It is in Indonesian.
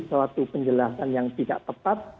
suatu penjelasan yang tidak tepat